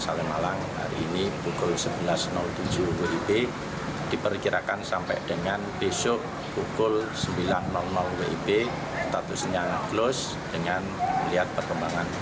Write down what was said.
sebelum penutupan bandara penutupan berlangsung mulai jumat pagi akibat tebaran abu vulkanis erupsi gunung bromo yang dinilai membahayakan aktivitas penerbangan